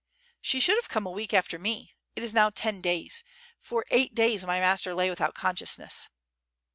'' "She should have come a week after me. ... it is now ten days. ... for eight days my master lay without consciousness.''